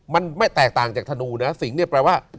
มันไม่แตกต่างจากธนูนะสิงห์เนี่ยแปลว่า